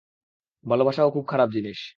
ভালোবাসাও খুব খারাপ জিনিস।